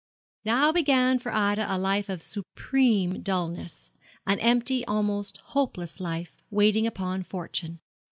Now began for Ida a life of supreme dullness an empty, almost hopeless, life, waiting upon fortune.